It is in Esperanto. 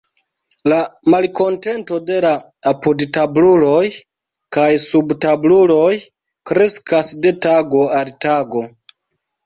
La malkontento de la apudtabluloj kaj subtabluloj kreskas de tago al tago.